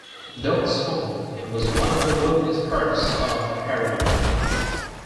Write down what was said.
Though small, it was one of the wealthiest parts of Harrow.